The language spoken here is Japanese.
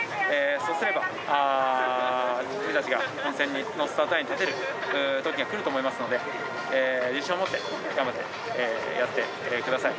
そうすれば自分たちが本戦のスタートラインに立てる時がくると思いますので、自信を持って頑張ってやってください。